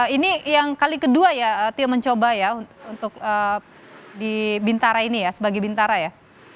ini yang kali kedua ya tio mencoba ya untuk di bintara ini ya sebagai bintara ya